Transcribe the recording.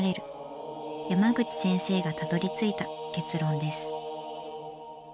山口先生がたどりついた結論です。